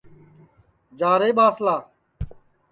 جا رے ٻاسلا